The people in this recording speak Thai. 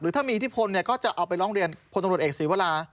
หรือถ้ามีอิทธิพลเนี่ยก็จะเอาไปร้องเรียนพลตรวจเอกสีวรา